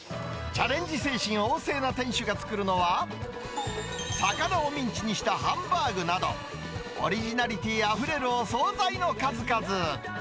チャレンジ精神旺盛な店主が作るのは、魚をミンチにしたハンバーグなど、オリジナリティーあふれるお総菜の数々。